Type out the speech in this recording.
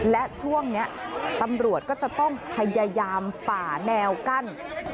และช่วงนี้ตำรวจก็จะต้องพยายามฝ่าแนวกั้น